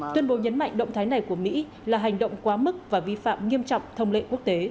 tuyên bố nhấn mạnh động thái này của mỹ là hành động quá mức và vi phạm nghiêm trọng thông lệ quốc tế